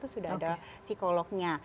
sudah ada psikolognya